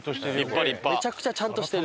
めちゃくちゃちゃんとしてる。